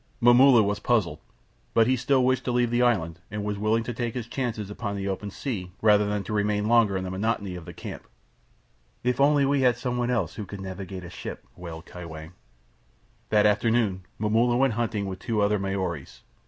Momulla was puzzled; but still he wished to leave the island, and was willing to take his chances on the open sea rather than to remain longer in the monotony of the camp. "If we only had someone else who could navigate a ship!" wailed Kai Shang. That afternoon Momulla went hunting with two other Maoris.